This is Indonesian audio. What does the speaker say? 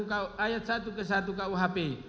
ayat satu ke satu kuhp